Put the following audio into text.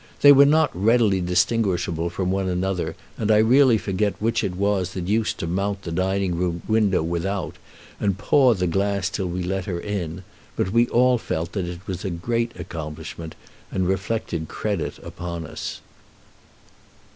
They were not readily distinguishable from one another, and I really forget which it was that used to mount to the dining room window without, and paw the glass till we let her in; but we all felt that it was a great accomplishment, and reflected credit upon us.